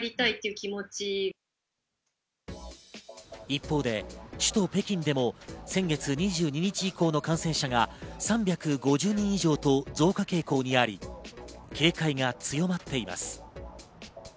一方で首都・北京でも先月２２日以降の感染者が３５０人以上と増加傾向にあり、警戒が強まっています。